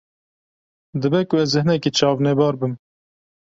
Dibe ku ez hinekî çavnebar bim.